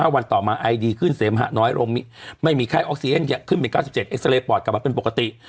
วันต่อมาไอดีขึ้นเสมหะน้อยลงไม่มีไข้ออกซีเย็นขึ้นเป็น๙๗เอ็กซาเรย์ปอดกลับมาเป็นปกติ